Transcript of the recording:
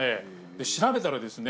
調べたらですね